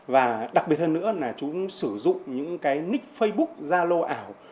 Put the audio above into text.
và đặc biệt hơn nữa là chúng sử dụng những cái ních facebook gia lô ảo